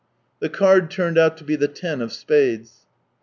The card turned out to be the ten of spades.